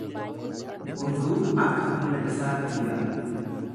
Hunduu akka humna isaatti bula.